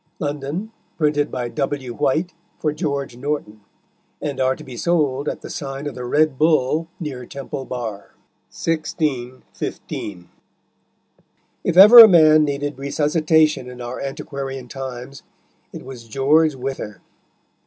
London, printed by W. White for George Norton, and are to be sold at the signe of the red Bull neere Temple barre_. 1615. If ever a man needed resuscitation in our antiquarian times it was George Wither.